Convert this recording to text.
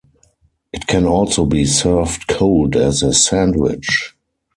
It can also be served cold as a sandwich.